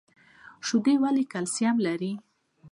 شیدې ولې کلسیم لري؟